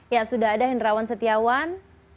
ya sudah ada hendrawan setiawan